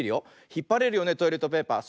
ひっぱれるよねトイレットペーパー。